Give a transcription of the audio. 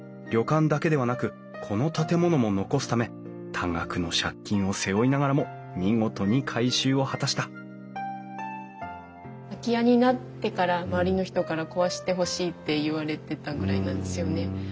旅館だけではなくこの建物も残すため多額の借金を背負いながらも見事に改修を果たした空き家になってから周りの人から壊してほしいって言われてたぐらいなんですよね。